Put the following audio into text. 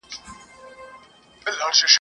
يو دبل په غېږ اغوستي !.